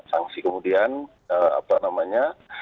sanksi kemudian apa namanya